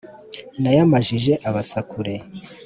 Nayamajije Abasakure